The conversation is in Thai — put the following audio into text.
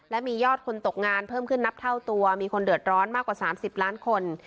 และมียอดคนตกงานเพิ่มขึ้นนับเท่าตัวมีคนเดือดร้อนมากกว่า๓๐ล้านคน